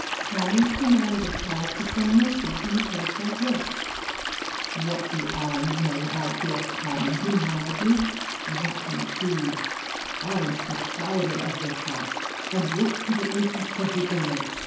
^^ Common humanity calls for some mercy in a case like this. ^^ What do I know about your * common human ity '?" (What, indeed 1) *' I'm proprietor of thia house, and look to the interests of the owner.